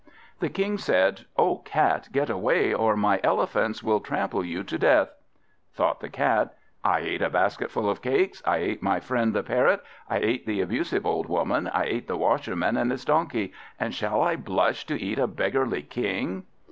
The King said, "O Cat, get away, or my elephants will trample you to death." Thought the Cat, "I ate a basketful of cakes, I ate my friend the Parrot, I ate the abusive old Woman, I ate the Washerman and his donkey, and shall I blush to eat a beggarly King?"